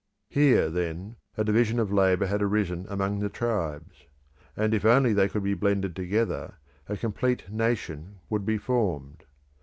Here, then, a division of labour had arisen among the tribes; and if only they could be blended together, a complete nation would be formed.